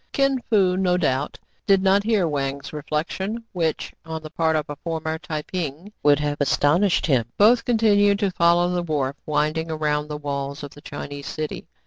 Kin Fo, no doubt, did not hear Wang's reflec tion, which, on the part of a former Tai ping, would have astonished him. Both continued to follow the wharf, winding around the walls of the Chinese city.